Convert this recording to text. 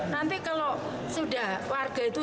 nanti kalau sudah warga itu